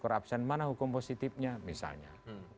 perabsensi mana hukum positifnya misalnya